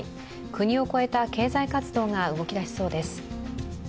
国を超えた経済活動が動き出しそうです。